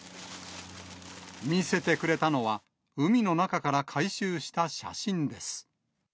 見せてくれたのは、海の中から回収した写真です。